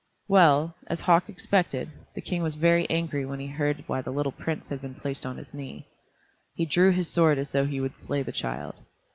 Well, as Hauk expected, the King was very angry when he heard why the little prince had been placed on his knee. He drew his sword as though he would slay the child.